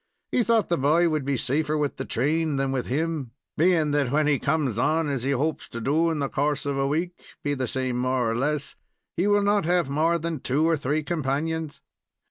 He thought the boy would be safer with the train than with him, bein' that when he comes on, as he hopes to do, in the course of a week, be the same more or less, he will not have more than two or three companions.